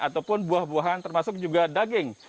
ataupun buah buahan termasuk juga daging